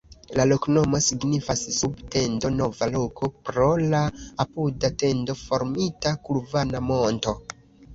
La loknomo signifas: sub-tendo-nova-loko, pro la apuda tendo-formita vulkana monto.